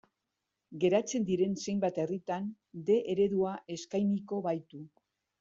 Geratzen diren zenbait herritan D eredua eskainiko baitu.